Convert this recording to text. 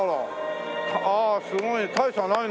あすごい。